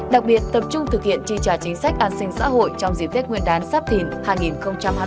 đặc biệt tập trung thực hiện chi trả chính sách an sinh xã hội trong diễn tiết nguyên đán sắp thỉnh hai nghìn hai mươi bốn